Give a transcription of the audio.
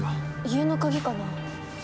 家の鍵かな？